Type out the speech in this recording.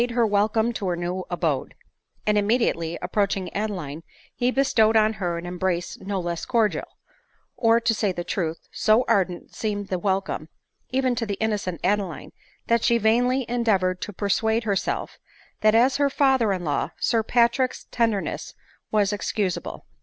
her welcome to her new abode ; and immediately ap proaching Adeline, he bestowed on her an embrace no less cordial ; or, to say the truth, so ardent seemed the Welcome, even to the innocent Adeline, that she vainly endeavored to persuade herself, that as her father in law, Sir Patrick's tenderness was excusable.